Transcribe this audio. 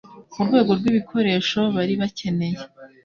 Mu rwego rw'ibikoresho bari bakeneye